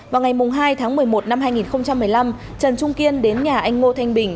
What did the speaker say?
vào ngày hai tháng một mươi một năm hai nghìn một mươi năm trần trung kiên đến nhà anh ngô thanh bình